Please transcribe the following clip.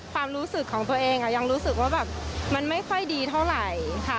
ความรู้สึกของตัวเองยังรู้สึกว่าแบบมันไม่ค่อยดีเท่าไหร่ค่ะ